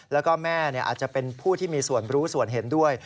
แล้วก็แม่อาจจะเป็นผู้ที่มีส่วนรู้ส่วนเห็นด้วย